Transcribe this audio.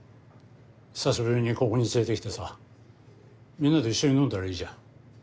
久しぶりにここに連れてきてさみんなで一緒に飲んだらいいじゃん。